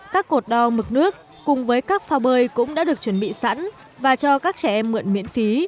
các cột đo mực nước cùng với các phao bơi cũng đã được chuẩn bị sẵn và cho các trẻ em mượn miễn phí